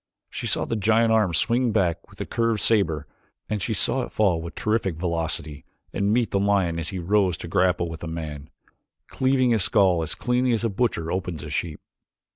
She saw the giant arm swing back with the curved saber and she saw it fall with terrific velocity and meet the lion as he rose to grapple with the man, cleaving his skull as cleanly as a butcher opens up a sheep.